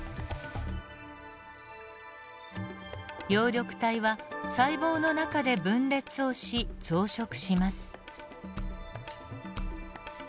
葉緑体は細胞の中で分裂をし増殖します。